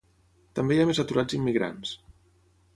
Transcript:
També hi ha més aturats immigrants.